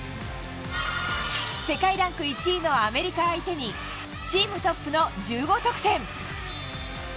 世界ランク１位のアメリカ相手にチームトップの１５得点。